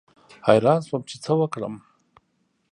حیران شوم چې څه وکړم.